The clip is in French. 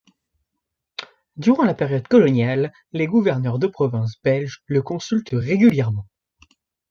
Durant la période coloniale, les gouverneurs de province belges le consultent régulièrement.